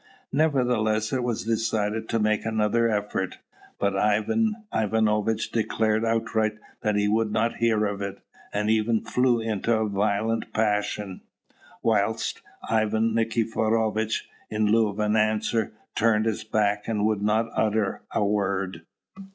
Nevertheless, it was decided to make another effort; but Ivan Ivanovitch declared outright that he would not hear of it, and even flew into a violent passion; whilst Ivan Nikiforovitch, in lieu of an answer, turned his back and would not utter a word.